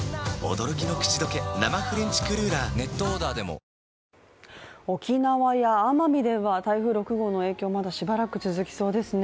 明治おいしい牛乳沖縄や奄美では台風６号の影響、まだしばらく続きそうですね。